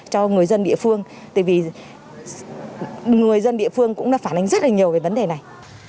cho người dân địa phương tại vì người dân địa phương cũng đã phản ánh rất là nhiều về vấn đề này